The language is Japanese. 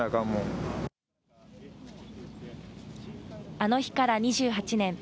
あの日から２８年。